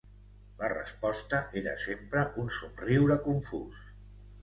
La resposta era sempre un somriure confús